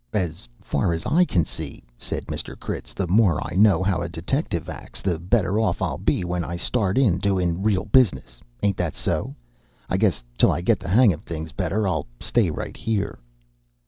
"As far as I can see," said Mr. Critz, "the more I know how a detective acts, the better off I'll be when I start in doin' real business. Ain't that so? I guess, till I get the hang of things better, I'll stay right here."